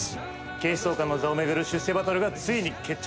「警視総監の座を巡る出世バトルがついに決着」